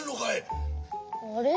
あれ？